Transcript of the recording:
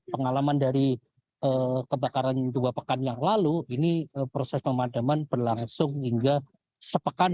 pengalaman dari kebakaran dua pekan yang lalu ini proses pemadaman berlangsung hingga sepekan